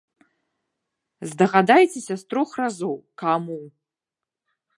Здагадайцеся з трох разоў, каму?